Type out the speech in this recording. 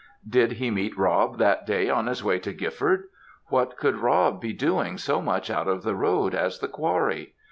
Did he meet Rob that day on his way to Gifford? What could Rob be doing so much out of the road as the Quarry?